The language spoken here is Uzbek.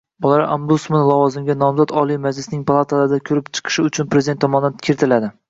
Bolalar ombudsmani lavozimiga nomzod Oliy Majlisning palatalari ko‘rib chiqishi uchun Prezident tomonidan kiritiladi